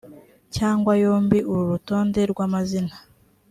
cyangwa yombi uru rutonde rw amazina